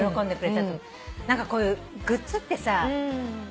こういうグッズってさ